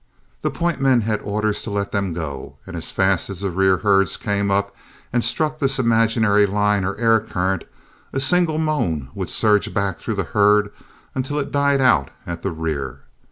The point men had orders to let them go, and as fast as the rear herds came up and struck this imaginary line or air current, a single moan would surge back through the herd until it died out at the rear.